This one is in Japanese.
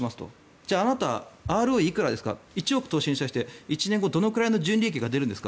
じゃあ、あなたＲＯＥいくらですか１億投資した人に１年後どのぐらいの純利益が出るんですか。